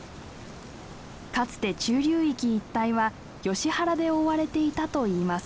かつて中流域一帯はヨシ原で覆われていたといいます。